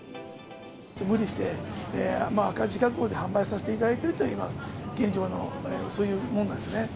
無理して、赤字覚悟で販売させていただいているという、今、現状の、そういうものなんですね。